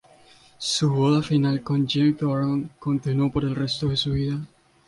Su boda final, con Jeanne Doron, continuó por el resto de su vida.